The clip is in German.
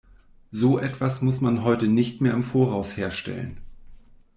So etwas muss man heute nicht mehr im Voraus herstellen.